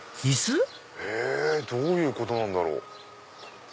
どういうことなんだろう？